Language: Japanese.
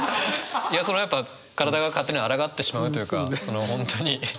いやそのやっぱ体が勝手にあらがってしまうというかその本当に。